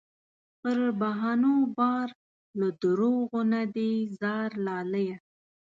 پر بهانو بار له دروغو نه دې ځار لالیه